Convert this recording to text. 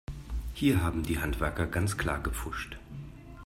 Hier haben die Handwerker ganz klar gepfuscht.